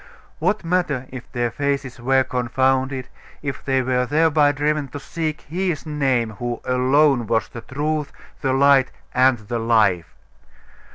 What matter if their faces were confounded, if they were thereby driven to seek His Name, who alone was the Truth, the Light, and the Life?